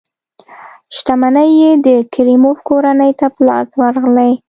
شتمنۍ یې د کریموف کورنۍ ته په لاس ورغلې.